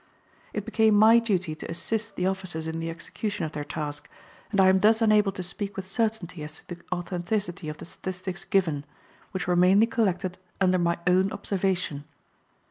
It became my duty to assist the officers in the execution of their task, and I am thus enabled to speak with certainty as to the authenticity of the statistics given, which were mainly collected under my own observation.